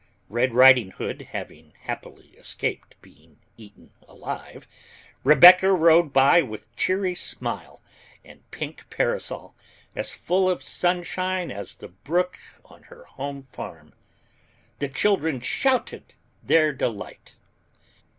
Red Riding Hood having happily escaped being eaten alive, Rebecca rode by with cheery smile and pink parasol, as full of sunshine as the brook on her home farm. The children shouted their delight.